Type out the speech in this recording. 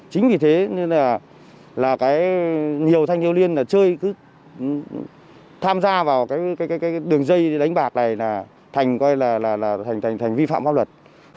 chính vì thế nên là nhiều thanh thiếu liên là chơi tham gia vào cái đường dây đánh bạc này là thành vi phạm pháp luật